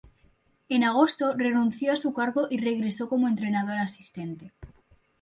En agosto, renunció a su cargo y regresó como entrenador asistente.